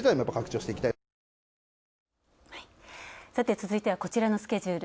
続いては、こちらのスケジュール。